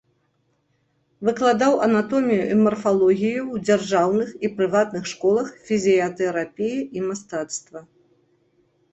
Выкладаў анатомію і марфалогію ў дзяржаўных і прыватных школах фізіятэрапіі і мастацтва.